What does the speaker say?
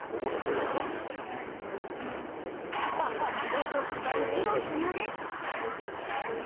お父さんご苦労さまです